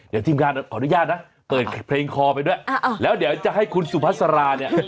เดี๋ยวทีมงานขออนุญาตนะเปิดเพลงคอไปด้วยแล้วเดี๋ยวจะให้คุณสุภาษาราเนี่ย